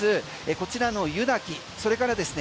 こちらの湯滝それからですね